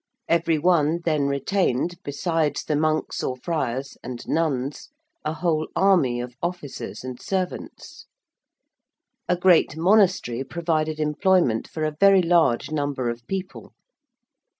Every one then retained, besides the monks or friars and nuns, a whole army of officers and servants. A great monastery provided employment for a very large number of people.